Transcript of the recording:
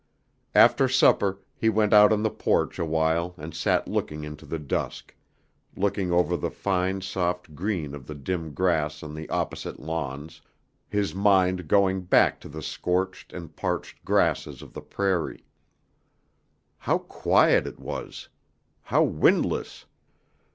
After supper he went out on the porch awhile and sat looking into the dusk, looking over the fine soft green of the dim grass on the opposite lawns, his mind going back to the scorched and parched grasses of the prairie. How quiet it was! How windless.